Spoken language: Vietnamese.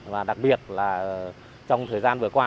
và đặc biệt là trong thời gian vừa qua